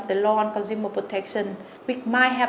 tòa án tòa án công nghiệp phòng chống dịch việt nam